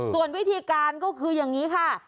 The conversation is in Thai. ส่วนวิธีการก็คืออย่างนี้ค่ะ